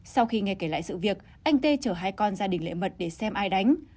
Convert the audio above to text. sau khi nghe kể lại sự việc anh tê chở hai con gia đình lệ mật để xem ai đánh